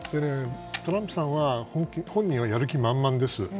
トランプさんは本人はやる気満々です。